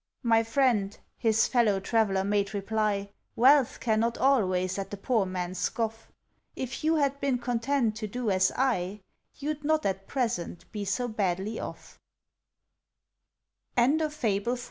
"My friend," his fellow traveller made reply, "Wealth cannot always at the poor man scoff. If you had been content to do as I, You'd not at present be so badly off." FABLE V.